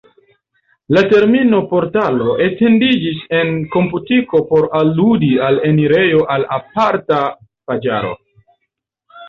La termino "portalo" etendiĝis en komputiko por aludi al enirejo al aparta paĝaro.